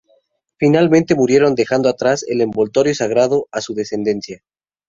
Finalmente, murieron dejando atrás el "Envoltorio Sagrado" a su descendencia.